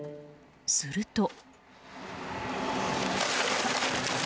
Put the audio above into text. すると。